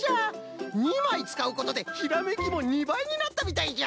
２まいつかうことでひらめきも２ばいになったみたいじゃ。